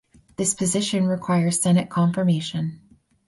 This position requires Senate confirmation.